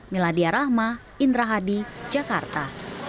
miladia rahma indra hadi jakarta